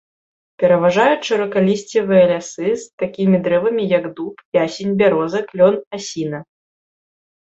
Пераважаюць шырокалісцевыя лясы з такімі дрэвамі, як дуб, ясень, бяроза, клён, асіна.